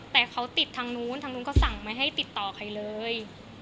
แต่เขาติดทางนู้นทางนู้นเขาสั่งไม่ให้ติดต่อใครเลย